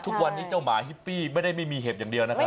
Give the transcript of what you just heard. ทุกวันนี้เจ้าหมาฮิปปี้ไม่ได้ไม่มีเห็บอย่างเดียวนะครับ